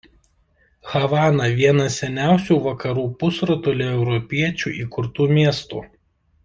Havana vienas seniausių Vakarų pusrutulyje europiečių įkurtų miestų.